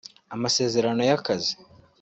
amasezerano y’akazi